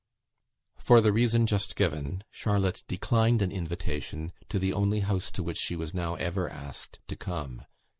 For the reason just given, Charlotte declined an invitation to the only house to which she was now ever asked to come.